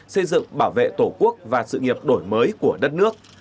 xây dựng bảo vệ tổ quốc và sự nghiệp đổi mới của đất nước